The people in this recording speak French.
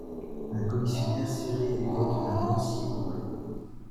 Un commissionnaire cirait les bottes d'un lancier bourru.